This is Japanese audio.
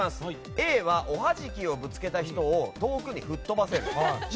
Ａは、おはじきをぶつけた人を遠くに吹っ飛ばせる。